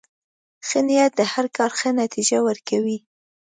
ښه نیت د هر کار ښه نتیجه ورکوي.